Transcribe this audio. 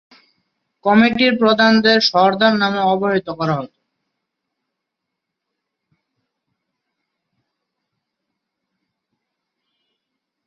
অন্যদিকে, CONCACAF gold কাপেও Saint Martin এপর্যন্ত একবারও অংশগ্রহণ করতে সক্ষম হয়নি।